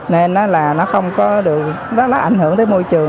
nên nó là nó không có được nó rất là ảnh hưởng tới môi trường